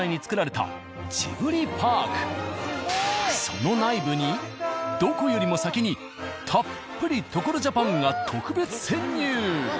その内部にどこよりも先にたっぷり「所ＪＡＰＡＮ」が特別潜入！